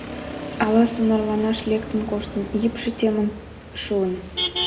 Ала сонарланаш лектын коштын, йыпше темын шуын?